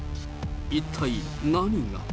一体、何が。